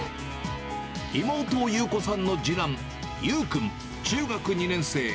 妹、ゆう子さんの次男、ゆう君中学２年生。